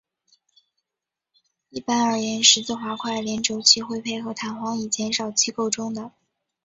一般而言十字滑块联轴器会配合弹簧以减少机构中的。